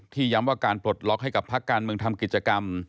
ย้ำว่าการปลดล็อกให้กับพักการเมืองทำกิจกรรม